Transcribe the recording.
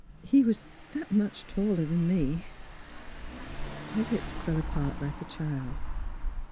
^' He was that much taller than me." Her lips fell apart like a child's.